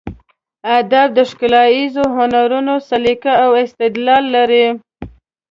ادب د ښکلاییزو هنرونو سلیقه او استدلال لري.